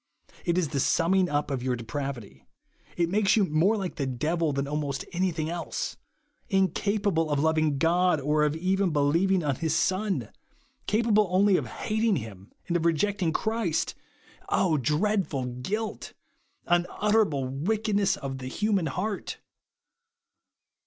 It is the summing up of your depravity. It makes you more like the devil than almost anything else. In capable of loving God, or even of believ ing on his Son ! Capable only of hating him, and of rejecting Christ ! dreadful guilt ! Unutterable wickedness of the human heart